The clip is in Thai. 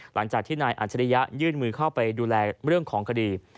หลังจากที่นายอัจฉริยะยื่นมือเข้าไปดูแลเรื่องของคดี